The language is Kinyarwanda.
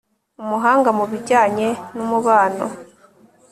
umuhanga mu bijyanye n'umubano